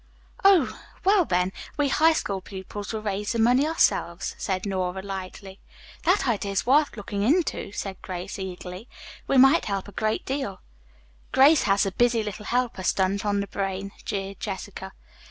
"Oh, well, then, we High School pupils will raise the money ourselves," said Nora lightly. "That idea is worth looking into," said Grace eagerly. "We might help a great deal." "Grace has the 'Busy Little Helper' stunt on the brain," jeered Jessica.